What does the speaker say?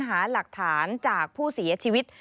หาหลักฐานจากผู้เสียชีวิต